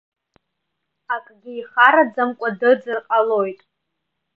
Акгьы ихараӡамкәа дыӡыр ҟалоит.